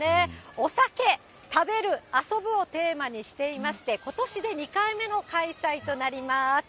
お酒、食べる、遊ぶをテーマにしていまして、ことしで２回目の開催となります。